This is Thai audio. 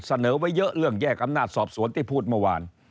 เสนอไว้เยอะเรื่องแยกอำนาจสอบสวนที่พูดเมื่อวาน